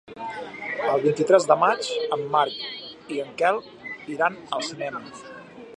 El vint-i-tres de maig en Marc i en Quel iran al cinema.